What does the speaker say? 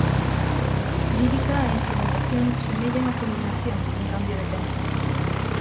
Lírica e instrumentación semellan a culminación dun cambio de pensar.